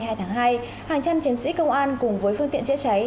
hàng trăm chiến sĩ công an cùng với phương tiện chế cháy